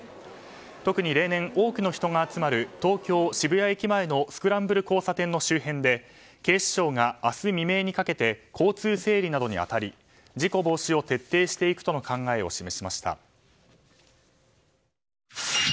特に例年、多くの人が集まる東京・渋谷駅前のスクランブル交差点の周辺で警視庁が明日未明にかけて交通整理などに当たり事故防止を徹底していくとの考えを示しました。